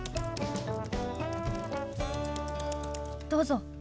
どうぞ。